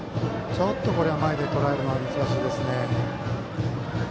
これは前でとらえるのは難しいですね。